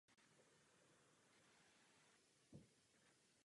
Tvořilo ji celkem šest jednotek.